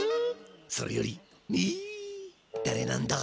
それよりニヒだれなんだ？